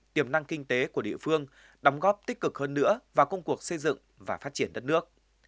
tiềm năng kinh tế của địa phương đóng góp tích cực hơn nữa vào công cuộc xây dựng và phát triển đất nước